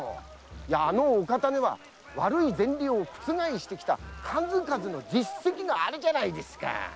あの方には悪い前例を覆してきた数々の実績があるじゃないですか。